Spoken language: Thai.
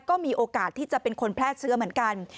ก็มีโอกาสที่จะเป็นคนแพร่เชื้อเหมือนกัน